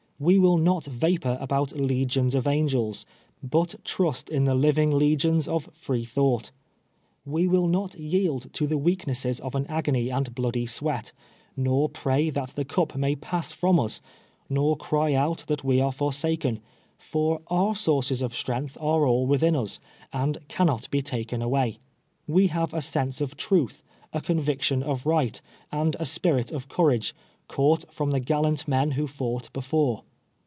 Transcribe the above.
We will not vapor about legions of angds, but trust in the living legions of Free thought. We will not yield to the weakness of an agony and bloody sweat, nor pray that the cup may pass from us, nor cry out that we are forsaken ; for our sources of strength are all within us, and can not be taken away. We have a sense of truth, a conviction of right, and a spirit of courage, caught from Hhe gallant men who fought before.